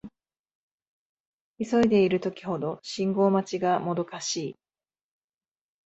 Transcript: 急いでいる時ほど信号待ちがもどかしい